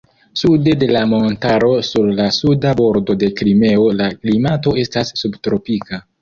Sude de la montaro sur la Suda Bordo de Krimeo la klimato estas subtropika.